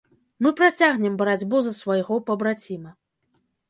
Мы працягнем барацьбу за свайго пабраціма.